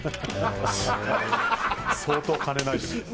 相当金ない時です